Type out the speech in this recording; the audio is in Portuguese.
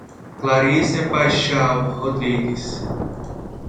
Claricia Paixao Rodrigues